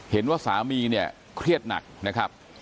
เห็นว่าสามีเนี่ยเครียดหนักนะครับ